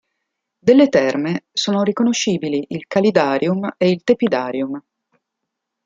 Delle terme sono riconoscibili il calidarium ed il tepidarium.